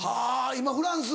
今フランス？